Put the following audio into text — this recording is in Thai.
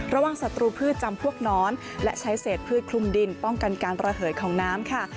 ศัตรูพืชจำพวกน้อนและใช้เศษพืชคลุมดินป้องกันการระเหยของน้ำค่ะ